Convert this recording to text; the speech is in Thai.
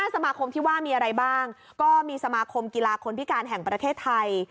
สมาคมที่ว่ามีอะไรบ้างก็มีสมาคมกีฬาคนพิการแห่งประเทศไทย